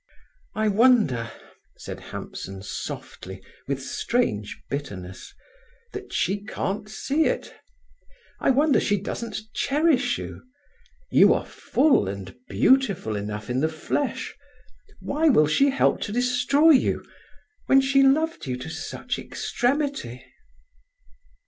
"I wonder," said Hampson softly, with strange bitterness, "that she can't see it; I wonder she doesn't cherish you. You are full and beautiful enough in the flesh—why will she help to destroy you, when she loved you to such extremity?"